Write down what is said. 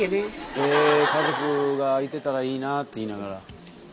ええ家族がいてたらいいなあって言いながら。